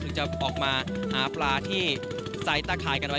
ถึงจะออกมาหาปลาที่ใส่ตะข่ายกันไว้